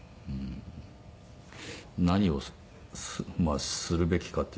何をするべきかっていうか。